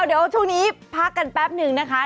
เดี๋ยวช่วงนี้พักกันแป๊บนึงนะคะ